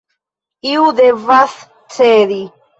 Iu devas cedi.